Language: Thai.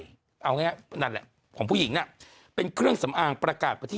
สอดใส่เอาไงนั่นแหละของผู้หญิงน่ะเป็นเครื่องสำอางประกาศประทิ